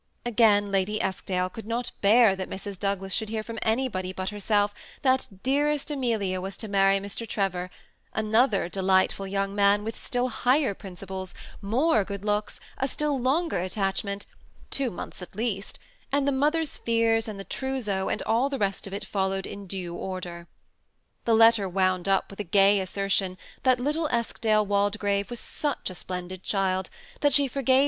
Again, Lady Eskdale could not bear that Mrs. Douglas should hear from anybody but herself, that dearest Amelia was to marry Mr. Trevor ; another delightful young man, with still higher princi ples, more good looks, a still longer attachment, — two months, at least, — and the mother's fears, and the trous seau, and all the rest of it, followed in due order. The letter wound up with a gay assertion that little Eskdale Waldegrave was such a splendid child, that she forgave 4 12 THE SEMI ATTACHED COUPLE.